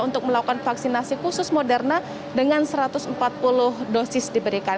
untuk melakukan vaksinasi khusus moderna dengan satu ratus empat puluh dosis diberikan